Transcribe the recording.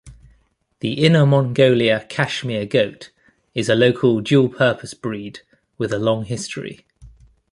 The Inner Mongolia cashmere goat is a local dual-purpose breed with a long history.